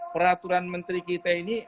peraturan menteri kita ini